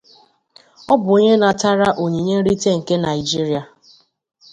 Ọ bụ onye natara onyinye nrite nke Naịjirịa.